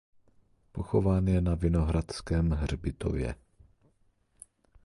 Pochován je na vinohradském hřbitově.